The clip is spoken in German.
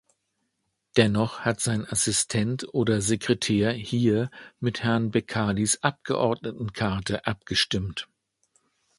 Dennoch hat sein Assistent oder Sekretär hier mit Herrn Becalis Abgeordnetenkarte abgestimmt.